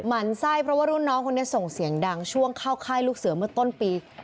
หั่นไส้เพราะว่ารุ่นน้องคนนี้ส่งเสียงดังช่วงเข้าค่ายลูกเสือเมื่อต้นปี